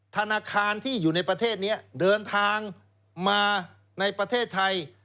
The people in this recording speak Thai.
ธนาคารที่อยู่ในประเทศนี้เดินทางมาในประเทศไทย